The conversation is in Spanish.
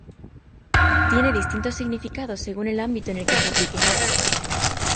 Tiene distintos significados según el ámbito en el que se aplique.